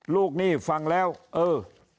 หนี้ฟังแล้วเออ